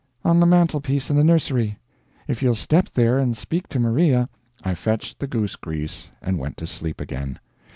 "On the mantelpiece in the nursery. If you'll step there and speak to Maria " I fetched the goose grease and went to sleep again.